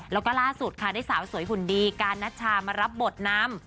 แล้วก็ล่าสุดค่ะได้สาวสวยหุ่นดีการนัชชามารับบทนำ